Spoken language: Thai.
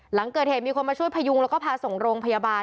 หลังเกิดเหตุมีคนมาช่วยพยุงแล้วก็พาส่งโรงพยาบาล